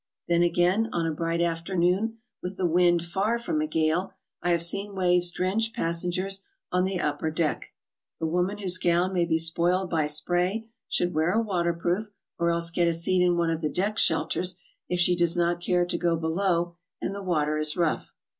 Then again, on a bright afternoon, with the wind far from a gale, I 'have seen waves drench passen gers on the upper deck. The woman whose gown may be spoiled by spray should wear a waterproof or else get a seat in one of the deck shelters if she does not care to go below and the water is rough.